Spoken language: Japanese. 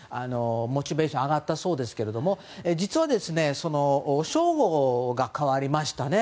モチベーションが上がったそうですけれども実は称号が変わりましたね。